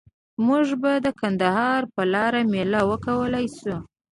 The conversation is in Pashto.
موږ به د کندهار په لاره میله وکولای شو؟